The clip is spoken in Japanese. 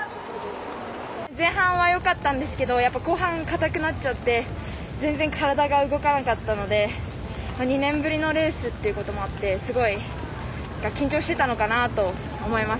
前半はよかったんですが後半かたくなっちゃったので全然体が動かなかったので２年ぶりのレースということもあってすごい緊張していたのかなと思います。